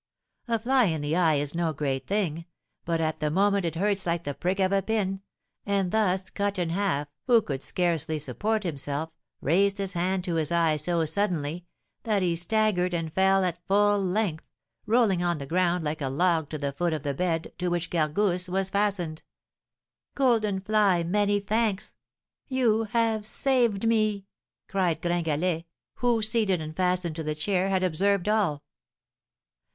A fly in the eye is no great thing, but at the moment it hurts like the prick of a pin, and thus Cut in Half, who could scarcely support himself, raised his hand to his eye so suddenly that he staggered and fell at full length, rolling on the ground like a log to the foot of the bed, to which Gargousse was fastened. 'Golden fly, many thanks! You have saved me!' cried Gringalet, who, seated and fastened to the chair, had observed all."